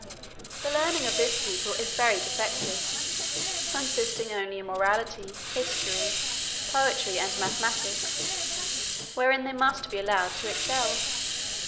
The learning of this people is very defective, consisting only in morality, history, poetry, and mathematics, wherein they must be allowed to excel.